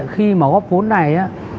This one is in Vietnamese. khi mà góp vốn này